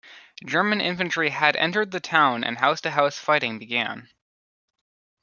German infantry had entered the town and house-to-house fighting began.